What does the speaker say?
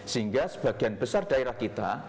sehingga sebagian besar daerah kita